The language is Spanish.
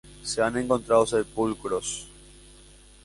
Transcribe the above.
Se han encontrado sepulcros.